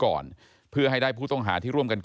ก็มีการออกรูปรวมปัญญาหลักฐานออกมาจับได้ทั้งหมด